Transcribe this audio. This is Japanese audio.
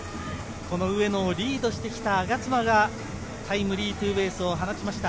上野をリードしてきた我妻がタイムリーツーベースを放ちました。